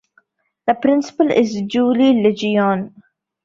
The Principal is Julie Legione.